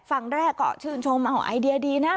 ฝั่งแรกก็ชื่นชมไอเดียดีนะ